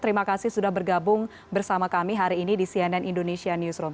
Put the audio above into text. terima kasih sudah bergabung bersama kami hari ini di cnn indonesia newsroom